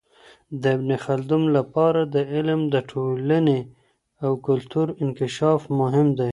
د ابن خلدون لپاره د علم د ټولني او کلتور انکشاف مهم دی.